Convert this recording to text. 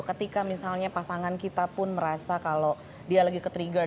ketika misalnya pasangan kita pun merasa kalau dia lagi ke trigger